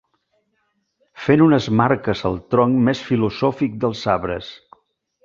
Fent unes marques al tronc més filosòfic dels arbres.